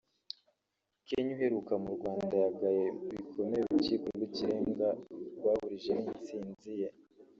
Kenya uheruka mu Rwanda yagaye bikomeye urukiko rw’ikirenga rwaburijemo intsinzi ye